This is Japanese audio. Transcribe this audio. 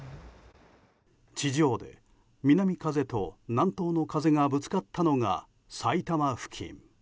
地上で南風と南東の風がぶつかったのが埼玉付近。